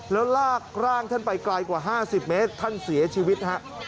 แล้วลากร่างท่านไปไกลกว่า๕๐เมตรท่านเสียชีวิตฮะ